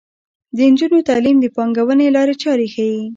د نجونو تعلیم د پانګونې لارې چارې ښيي.